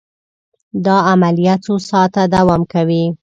دا عملیه څو ساعته دوام کوي.